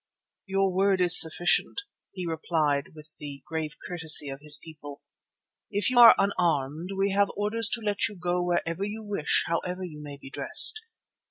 "Your word is sufficient," he replied with the grave courtesy of his people. "If you are unarmed we have orders to let you go where you wish however you may be dressed.